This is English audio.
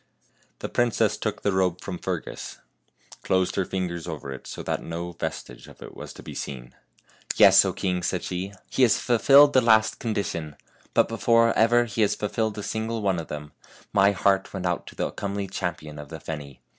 The princess took the robe from Fergus, closed A113T40 100 FAIRY TALES her fingers over it, so that no vestige of it was seen. " Yes, O king !" said she, " he has fulfilled the last condition ; but before ever he had fulfilled a single one of them, my heart went out to the comely champion of the Feni.